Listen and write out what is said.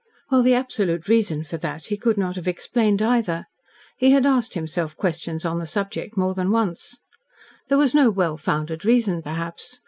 Well, the absolute reason for that he could not have explained, either. He had asked himself questions on the subject more than once. There was no well founded reason, perhaps.